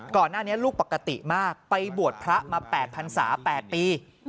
ก่อนหน้านี้ลูกปกติมากไปบวชพระมา๘พันศา๘ปี